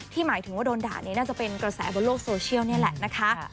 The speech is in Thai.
หมายถึงว่าโดนด่านี้น่าจะเป็นกระแสบนโลกโซเชียลนี่แหละนะคะ